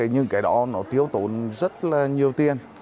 nhưng cái đó nó tiêu tốn rất là nhiều tiền